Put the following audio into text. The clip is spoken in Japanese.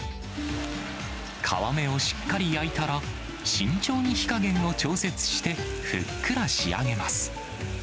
皮目をしっかり焼いたら、慎重に火加減を調節して、ふっくら仕上げます。